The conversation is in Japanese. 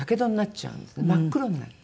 真っ黒になって。